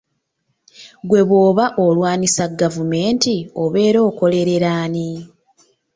Ggwe bw'oba olwanyisa gavumenti obeera okolerera ani?